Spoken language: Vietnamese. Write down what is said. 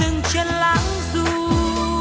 dừng chân lãng dùm